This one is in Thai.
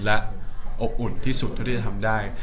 และอบอุ่นที่สุดเท่าที่จะทำได้